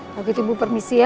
waktu itu ibu permisi ya